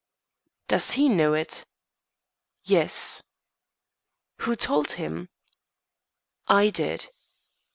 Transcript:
"Does he know it?" "Yes." "Who told him?" "I did."